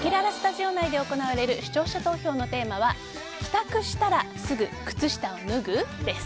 せきららスタジオ内で行われる視聴者投票のテーマは帰宅したらすぐ靴下を脱ぐ？です。